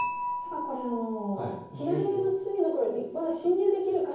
これ左上の隅の黒にまだ侵入できるから。